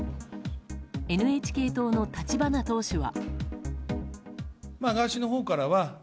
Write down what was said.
ＮＨＫ党の立花党首は。